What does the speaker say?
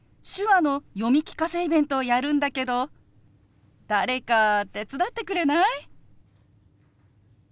手話の読み聞かせイベントをやるんだけど誰か手伝ってくれない？